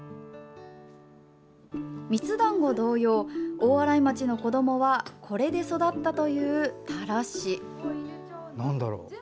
みつだんご同様大洗町の子どもはこれで育ったという、たらし。